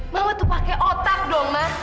mama tuh pakai otak dong mas